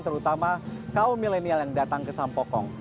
terutama kaum milenial yang datang ke sampokong